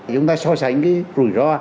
chúng ta so sánh cái rủi ro